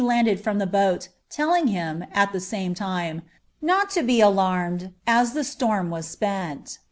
landed from the boat, telling him, at the same time, " not '' aa the storm was spent."